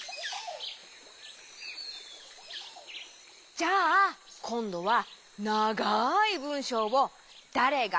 じゃあこんどはながいぶんしょうを「だれが」